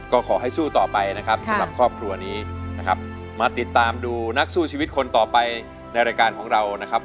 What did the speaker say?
ก็ขอให้สู้ต่อไปนะครับสำหรับครอบครัวนี้นะครับมาติดตามดูนักสู้ชีวิตคนต่อไปในรายการของเรานะครับ